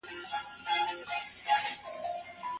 ناروغ خاوند له ميرمنو سره په څه شي مکلف دی؟